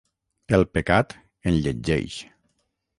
El pecat enlletgeix.